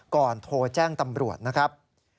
โทรแจ้งตำรวจนะครับ